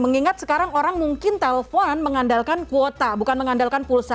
mengingat sekarang orang mungkin telpon mengandalkan kuota bukan mengandalkan pulsa